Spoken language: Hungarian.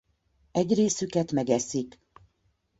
Egy részüket megeszik.